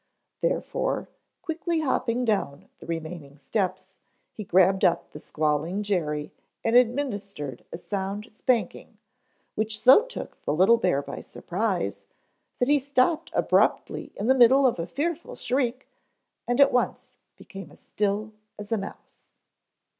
Therefore, quickly hopping down the remaining steps he grabbed up the squalling Jerry and administered a sound spanking, which so took the little bear by surprise that he stopped abruptly in the middle of a fearful shriek and at once became as still as a mouse.